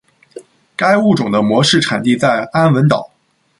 该物种的模式产地在安汶岛。